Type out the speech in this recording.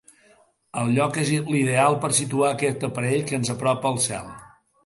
El lloc és l'ideal per situar aquest aparell que ens apropa al cel.